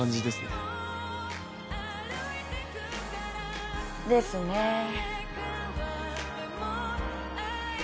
ですねぇ。